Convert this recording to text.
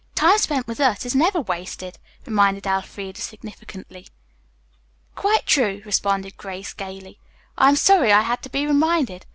"Time spent with us is never wasted," reminded Elfreda significantly. "Quite true," responded Grace gaily. "I am sorry I had to be reminded.